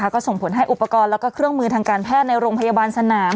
ก็ส่งผลให้อุปกรณ์แล้วก็เครื่องมือทางการแพทย์ในโรงพยาบาลสนาม